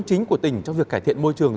chính của tỉnh trong việc cải thiện môi trường